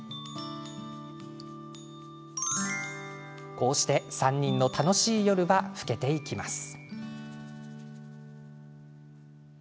こうして３人の楽しい夜は更けていきます。